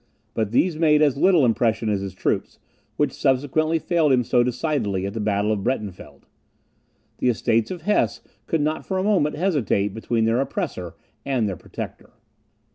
But these made as little impression as his troops, which subsequently failed him so decidedly at the battle of Breitenfield. The Estates of Hesse could not for a moment hesitate between their oppressor and their protector.